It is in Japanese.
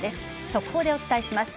速報でお伝えします。